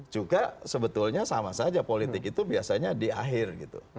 juga sebetulnya sama saja politik itu biasanya di akhir gitu